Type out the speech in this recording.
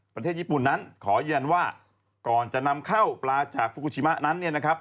ประเทศญี่ปุ่นนั้นขอยืนยันว่าก่อนจะนำเข้าปลาจากฟูกูชิมะนั้นเนี่ยนะครับ